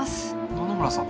野々村さん。